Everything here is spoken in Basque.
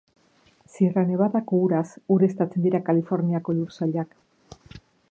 Sierra Nevadako uraz ureztatzen dira Kaliforniako lursailak.